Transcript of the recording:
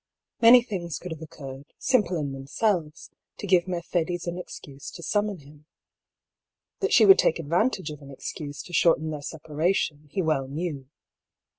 Many things could have oc curred, simple in themselves, to give Mercedes an excuse to summon him. That she would take advantage of an excuse to shorten their separation, he well knew.